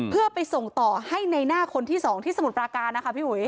เพื่อไปส่งต่อให้ในหน้าคนที่๒ที่สมุทรปราการนะคะพี่อุ๋ย